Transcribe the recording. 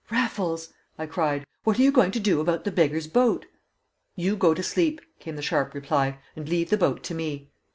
"Raffles!" I cried. "What are you going to do about the beggar's boat?" "You go to sleep," came the sharp reply, "and leave the boat to me."